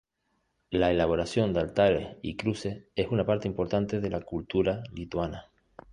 La elaboración de altares y cruces es una parte importante de la cultura lituana.